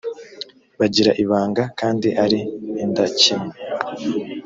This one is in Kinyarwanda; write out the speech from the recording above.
bagira ibanga kandi ari indakemwa